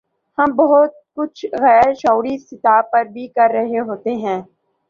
ہم بہت کچھ غیر شعوری سطح پر بھی کر رہے ہوتے ہیں۔